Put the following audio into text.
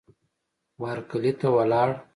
وهرکلې ته ولاړ